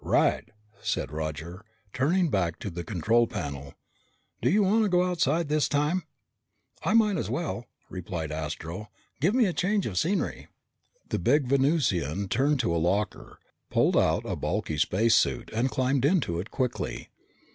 "Right," said Roger, turning back to the control panel. "Do you want to go outside this time?" "I might as well," replied Astro. "Give me a change of scenery." The big Venusian turned to a locker, pulled out a bulky space suit, and climbed into it quickly.